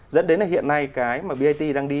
dẫn đến hiện nay cái mà bat đang đi